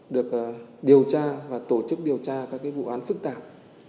được điều tra và tổ chức điều tra các vụ án phức tạp